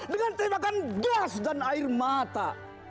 dengan tembakan gas dan air mata